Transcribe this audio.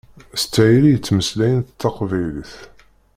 S tayri i ttmeslayent taqbaylit.